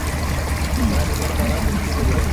যা এতদিন তারা সিসিটিভি এড়িয়ে গেছে।